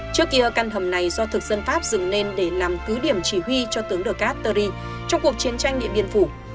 trước kia căn hầm này do thực dân pháp dựng lên để làm cứ điểm chỉ huy cho tướng được cát tơ ri trong cuộc chiến tranh điện biên phủ